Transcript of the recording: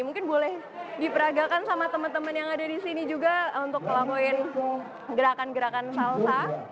mungkin boleh diperagakan sama teman teman yang ada di sini juga untuk ngelakuin gerakan gerakan salsa